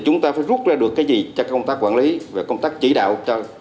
nó rút ra được cái gì cho công tác quản lý và công tác chỉ đạo